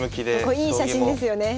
いい写真ですよね。